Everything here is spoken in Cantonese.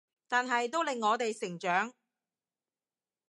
但係都令我哋成長